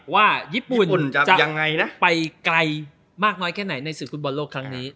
ว่าญี่ปุ่นจะไปไกลมากน้อยแค่ไหนในศึกฟุตบอลโลกครั้งนี้